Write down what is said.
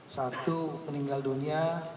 satu meninggal dunia